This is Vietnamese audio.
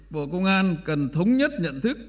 bộ công an cần thống nhất nhận thức